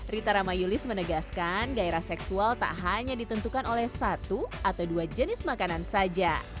rita ramayulis menegaskan gairah seksual tak hanya ditentukan oleh satu atau dua jenis makanan saja